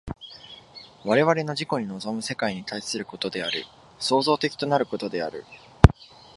我々の自己に臨む世界に対することである、創造的となることである。